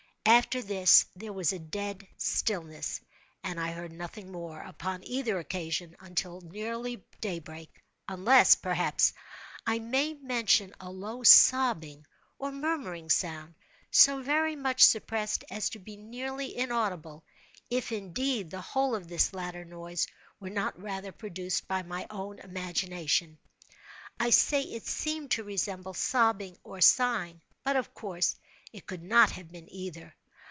After this there was a dead stillness, and I heard nothing more, upon either occasion, until nearly daybreak; unless, perhaps, I may mention a low sobbing, or murmuring sound, so very much suppressed as to be nearly inaudible—if, indeed, the whole of this latter noise were not rather produced by my own imagination. I say it seemed to resemble sobbing or sighing—but, of course, it could not have been either.